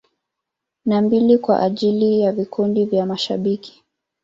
Na mbili kwa ajili ya vikundi vya mashabiki.